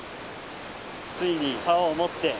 ついにサオを持って。